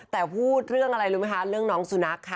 แต่พูดเรื่องอะไรรู้ไหมคะเรื่องน้องสุนัขค่ะ